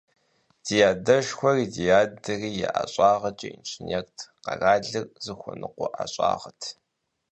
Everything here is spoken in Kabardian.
Ди адэшхуэри, ди адэри я ӀэщӀагъэкӀэ инженерт, къэралыр зыхуэныкъуэ ӀэщӀагъэт.